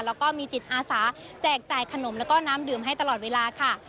แล้วก็มีจิตอาสาแจกจ่ายขนมแล้วก็น้ำดื่มให้ตลอดเวลาค่ะ